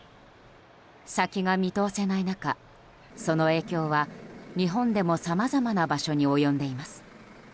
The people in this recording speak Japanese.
先が見通せない中、その影響は日本でもさまざまな場所に及んでいます。